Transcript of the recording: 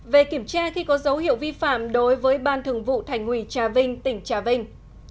một về kiểm tra khi có dấu hiệu vi phạm đối với ban thường vụ thành ủy trà vinh tỉnh trà vinh